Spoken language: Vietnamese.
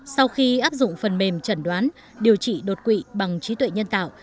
sau khi áp dụng phần mềm trần đoán điều trị đột quỵ bằng trí tuệ nhân tạo